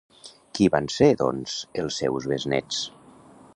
Qui van ser, doncs, els seus besnets?